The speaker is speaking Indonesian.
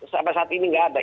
sampai saat ini nggak ada